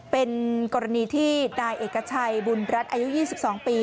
เป็นกรณีที่นายเอกชัยบุญรัฐอายุ๒๒ปี